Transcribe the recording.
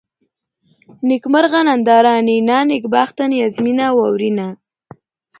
نېکمرغه ، ننداره ، نينه ، نېکبخته ، نيازمنه ، واورېنه